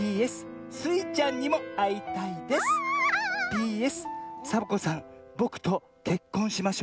「ＰＳサボ子さんぼくとけっこんしましょう」。